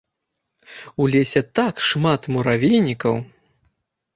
У лесе так шмат муравейнікаў.